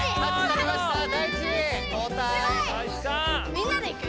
みんなでいく？